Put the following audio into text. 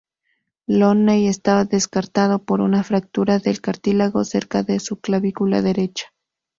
Looney estaba descartado por una fractura de cartílago cerca de su clavícula derecha.